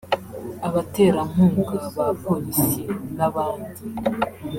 abaterankunga ba Polisi n’abandi